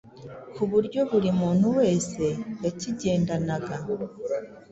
ku buryo buri muntu wese yakigendanaga